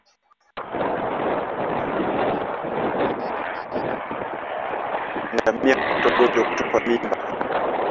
Ngamia hupata ugonjwa wa kutupa mimba